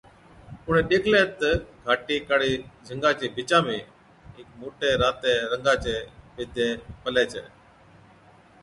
اُڻهين ڏيکلي تہ گھاٽي ڪاڙي جھنگا چي بِچا ۾ هيڪ موٽَي راتي رنگا چَي بيدَي پلَي ڇي۔